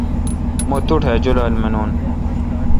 مہ توٹھ اؘ جولال مانون۔